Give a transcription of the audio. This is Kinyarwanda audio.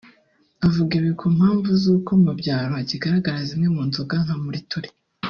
avuga ibi ku mpamvu z’uko mu byaro hakigaragara zimwe mu nzoga nka muriture